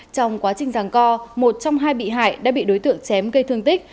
trong quá trình giảng co một trong hai bị hại đã bị đối tượng chém gây thương tích